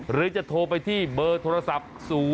หรือจะโทรไปที่เบอร์โทรศัพท์๐๙๕๘๑๘๑๒๒๙